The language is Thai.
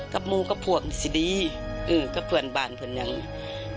กระมูกก็พวกนี้สิดีอืมกระเผื่อนบาลผลอย่างนี้